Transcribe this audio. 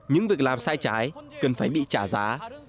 những việc làm sai trái cần phải bị trả giá